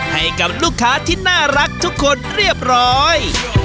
ให้กับลูกค้าที่น่ารักทุกคนเรียบร้อย